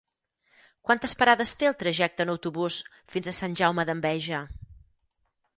Quantes parades té el trajecte en autobús fins a Sant Jaume d'Enveja?